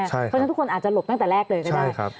เพราะฉะนั้นทุกคนอาจจะหลบตั้งแต่แรกเลยก็ได้